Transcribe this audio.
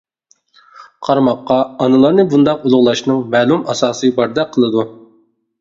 قارىماققا، ئانىلارنى بۇنداق ئۇلۇغلاشنىڭ مەلۇم ئاساسى باردەك قىلىدۇ.